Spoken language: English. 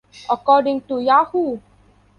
According to Yahoo!